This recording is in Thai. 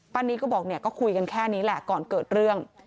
นี้ก็บอกเนี่ยก็คุยกันแค่นี้แหละก่อนเกิดเรื่อง